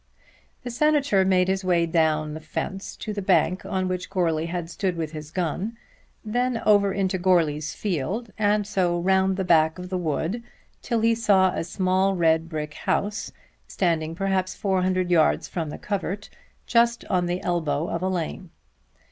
The Senator made his way down the fence to the bank on which Goarly had stood with his gun, then over into Goarly's field, and so round the back of the wood till he saw a small red brick house standing perhaps four hundred yards from the covert, just on the elbow of a lane.